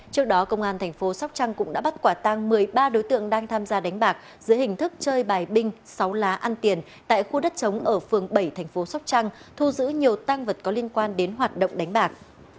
trước đó công an tp sóc trăng cũng đã bắt quả tang một mươi ba đối tượng đang tham gia đánh bạc giữa hình thức chơi bài binh sáu lá ăn tiền tại khu đất chống ở phường bảy tp sóc trăng thu giữ nhiều tăng vật có liên quan đến hoạt động đánh bạc